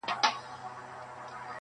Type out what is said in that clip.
پردى زوى نه زوى کېږي.